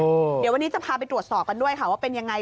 เดี๋ยววันนี้จะพาไปตรวจสอบกันด้วยค่ะว่าเป็นยังไง